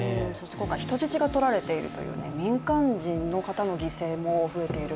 今回、人質がとられているという民間人の方の犠牲が増えている。